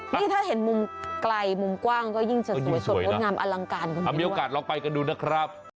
นี่ถ้าเห็นมุมไกลมุมกว้างก็ยิ่งจะสวยสดมีโอกาสเราไปกันดูนะครับ